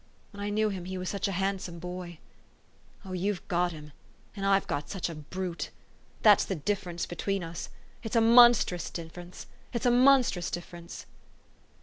When I knew him, he was such a handsome boy ! Oh, you've got him and I've got a brute ! That's the differ ence between us. It's a monstrous difference ! It's a monstrous difference